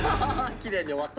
きれいに終わった。